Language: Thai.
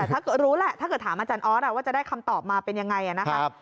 ถ้าเกิดรู้แหละถ้าเกิดถามอาจารย์ออสว่าจะได้คำตอบมาเป็นยังไงนะครับ